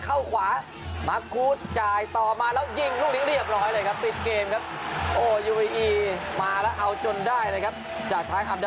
โอ้โหบิดเยอะไปหน่อยครับโอ้โห